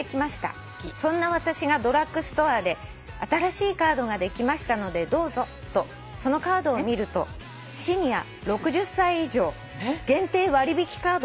そんな私がドラッグストアで『新しいカードができましたのでどうぞ』とそのカードを見ると『シニア６０歳以上限定割引カード』と書いてあるではありませんか」